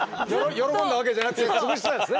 喜んだわけじゃなくて潰してたんですね